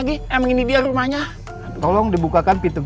dia dara degang